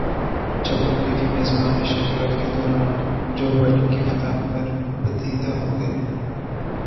جب امریکی میزبان نشریات کے دوران جو بائیڈن کی فتح پر بدیدہ ہوگئے